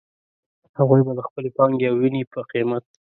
هغوی به د خپلې پانګې او وينې په قيمت.